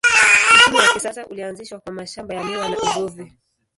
Uchumi wa kisasa ulianzishwa kwa mashamba ya miwa na uvuvi.